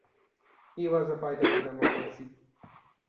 He was a fighter of democracy.